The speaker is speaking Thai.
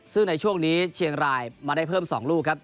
ซึ่งในช่วงนี้เชียงรายมาได้เพิ่ม๒ลูกครับ